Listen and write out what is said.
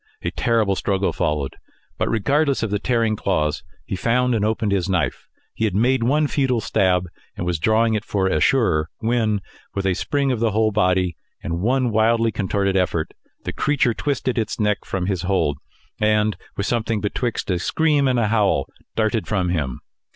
A terrible struggle followed; but regardless of the tearing claws, he found and opened his knife. He had made one futile stab, and was drawing it for a surer, when, with a spring of the whole body, and one wildly contorted effort, the creature twisted its neck from his hold, and with something betwixt a scream and a howl, darted from him.